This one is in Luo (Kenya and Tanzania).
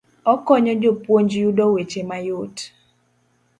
Okonyo jopuonj yudo weche mayot.